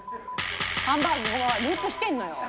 ハンバーグループしてるのよ。